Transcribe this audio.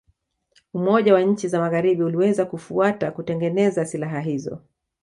Umoja wa nchi za Magharibi uliweza kufuata kutengeneza silaha hizo